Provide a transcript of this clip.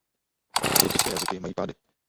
Turkické jazyky mají pády.